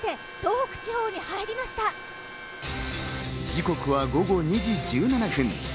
時刻は午後２時１７分。